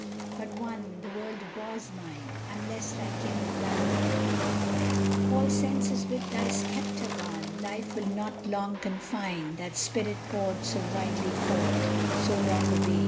But one "The world was mine!" Unless, like him of Babylon, All sense is with thy sceptre gone, Life will not long confine That spirit poured so widely forth So long obeyed so little worth!